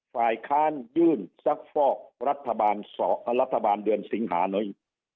ฝ่ายค้านยื่นซักฟอกรัฐบาลรัฐบาลเดือนสิงหาหน่อย